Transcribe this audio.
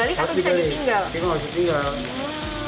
ini harus ditinggal